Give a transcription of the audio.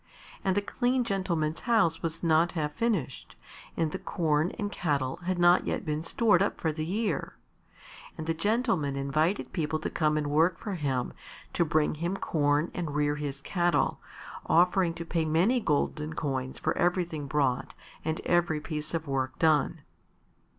And the clean gentleman's house was not half finished, and the corn and cattle had not yet been stored up for the year. And the gentleman invited people to come and work for him to bring him corn and rear his cattle, offering to pay many golden coins for everything brought and every piece of work done.